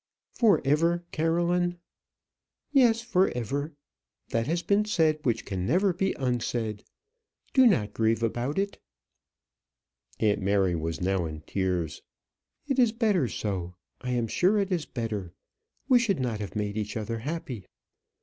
"For ever, Caroline!" "Yes, for ever. That has been said which can never be unsaid. Do not grieve about it" aunt Mary was now in tears "it is better so; I am sure it is better. We should not have made each other happy."